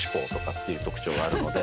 ていう特徴があるのと。